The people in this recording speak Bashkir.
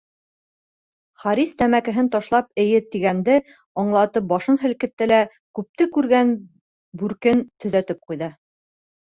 Харис тәмәкеһен ташлап, «эйе» тигәнде аңлатып башын һелкте лә, күпте күргән бүркен төҙәтеп ҡуйҙы.